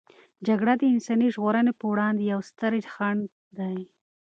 جګړه د انساني ژغورنې په وړاندې یوې سترې خنډ دی.